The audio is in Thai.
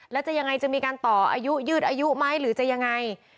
แล้วจะยังไงจะมีการต่ออายุยืดอายุไหมหรือจะยังไง